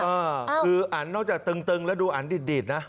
คืออันนอกจากเติ่งแล้วดูอันดิดนะ